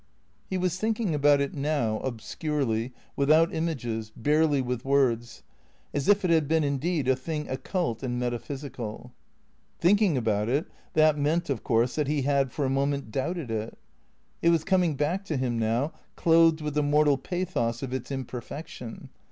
He was thinking about it now, obscurely, without images, barely with words, as if it had been indeed a thing occult and metaphysical. Thinking about it — that meant, of course, that he had for a moment doubted it? It was coming back to him now, clothed with the mortal pathos of its imperfection.